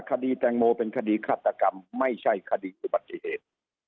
คดีแตงโมเป็นคดีฆาตกรรมไม่ใช่คดีอุบัติเหตุ